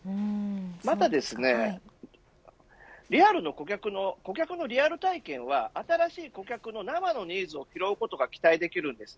また、リアルの顧客のリアル体験は、新しい顧客の生のニーズを拾うことが期待できます。